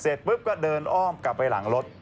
เสร็จปุ๊บก็เดินอ้อมกลับไปหลังรถ